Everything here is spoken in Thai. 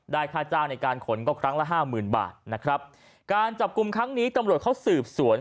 ค่าจ้างในการขนก็ครั้งละห้าหมื่นบาทนะครับการจับกลุ่มครั้งนี้ตำรวจเขาสืบสวน